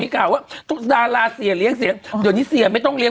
พี่แก่ว่าดาราเสียเลี้ยงเสียเดี๋ยวอันนี้เสียไม่ต้องเลี้ยง